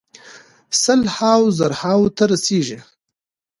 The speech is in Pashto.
سل هاوو زرو ته رسیږي.